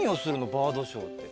バードショーって。